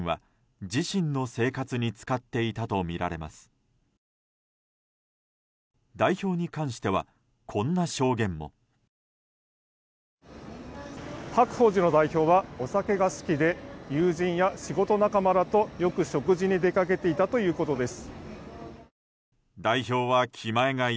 白鳳寺の代表はお酒が好きで友人や仕事仲間らとよく食事に出かけていたということです。